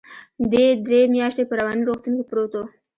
دى درې مياشتې په رواني روغتون کې پروت و.